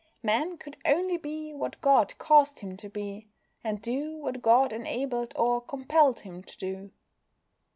Man could only be what God caused him to be, and do what God enabled or compelled him to do.